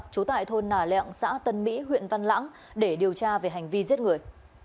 trú tại thôn nà lẹo xã tân mỹ huyện văn lãng để điều tra về hành vi giết người